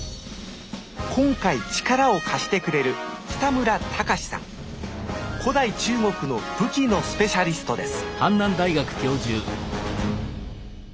今回力を貸してくれる古代中国の武器のスペシャリストです